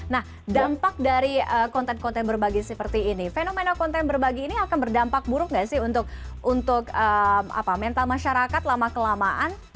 nah dampak dari konten konten berbagi seperti ini fenomena konten berbagi ini akan berdampak buruk nggak sih untuk mental masyarakat lama kelamaan